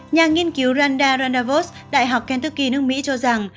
nhà nghiên cứu randa randavos đại học kentucky nước mỹ cho rằng